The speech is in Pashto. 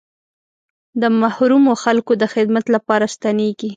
د محرومو خلکو د خدمت لپاره ستنېږي.